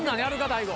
大悟。